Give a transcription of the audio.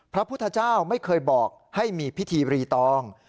พระพุทธเจ้าไม่เคยบอกให้มีพิธีรีตอง